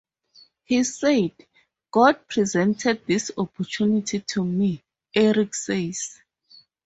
He said, "God presented this opportunity to me," Eric says.